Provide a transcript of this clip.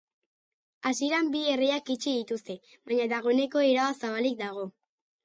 Hasieran bi erreiak itxi dituzte, baina dagoeneko erabat zabalik dago.